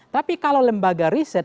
tapi kalau lembaga riset